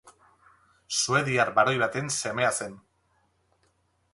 Suediar baroi baten semea zen.